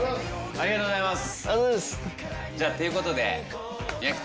ありがとうございます！